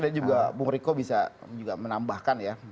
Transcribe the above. dan juga bu riko bisa juga menambahkan ya